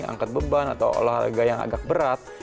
angkat beban atau olahraga yang agak berat